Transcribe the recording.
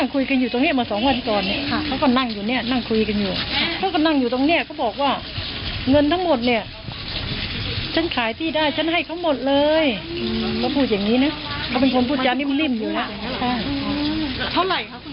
เขาพูดอย่างนี้นะก็เป็นคนพูดอย่างนิ่มอยู่นะ